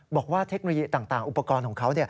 บอกว่าเทคโนยีต่างอุปกรณ์ของเขา